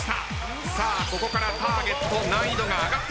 ここからターゲット難易度が上がってきます。